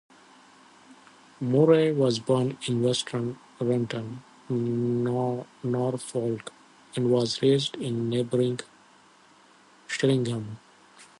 Murray was born in West Runton, Norfolk, and was raised in neighbouring Sheringham.